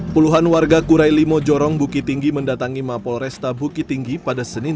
puluhan warga kurelimo jorong bukitinggi mendatangi mapol resta bukitinggi pada senin